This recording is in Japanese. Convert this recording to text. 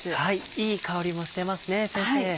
いい香りもしてますね先生。